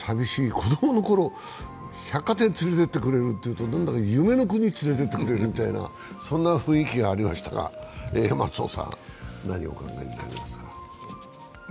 子供のころ、百貨店に連れていってくれるというと何だか夢の国に連れて行ってくれるみたいな雰囲気がありましたが、松尾さん何を思いますか？